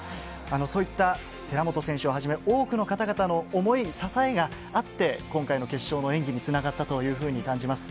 そういった寺本選手をはじめ、多くの方々の思い、支えがあって、今回の決勝の演技につながったというふうに感じます。